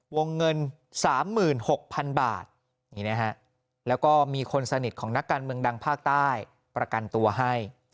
วงเงิน๓๖๐๐๐บาทนี่นะฮะแล้วก็มีคนสนิทของนักการเมืองดังภาคใต้ประกันตัวให้